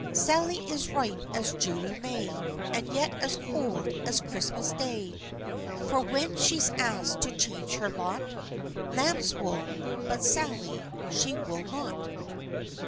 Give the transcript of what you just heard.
Sally is ripe as June or May, And yet as cold as Christmas Day; For when she's asked to change her lot, Lamb's wool, but Sally, she wool not.